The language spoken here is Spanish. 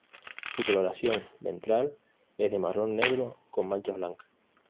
Su coloración ventral es de marrón negro con manchas blancas.